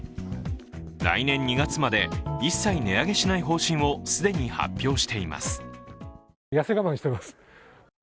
来年２月まで一切値上げしない方針を既に発表しています。